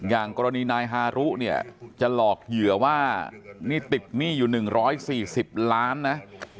อย่างกรณีนายฮารุเนี่ยจะหลอกเหยื่อว่านี่ติดหนี้อยู่๑๔๐ล้านนะ